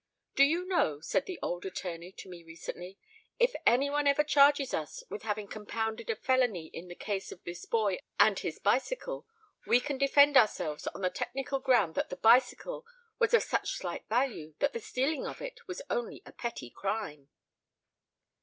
"Do you know," said the old attorney to me recently, "if anyone ever charges us with having compounded a felony in the case of this boy and his bicycle we can defend ourselves on the technical ground that the bicycle was of such slight value that the stealing of it was only a petty crime."